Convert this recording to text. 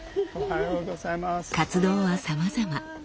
活動はさまざま。